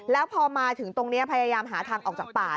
แล้วพอมาถึงตรงนี้พยายามหาทางออกจากป่า